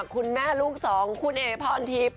คุณแม่ลูกสองคุณเอพรทิพย์